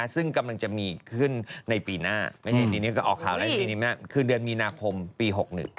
ซึ่งกำลังจะมีขึ้นในปีหน้าเดือนมีนาพมปี๖๑